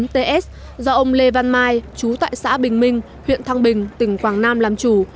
chín mươi năm nghìn chín trăm bảy mươi chín ts do ông lê văn mai chú tại xã bình minh huyện thăng bình tỉnh quảng nam làm chủ